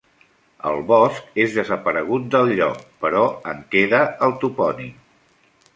El bosc és desaparegut del lloc, però en queda el topònim.